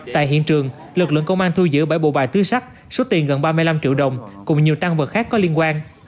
tại hiện trường lực lượng công an thu giữ bảy bộ bài túi sách số tiền gần ba mươi năm triệu đồng cùng nhiều tăng vật khác có liên quan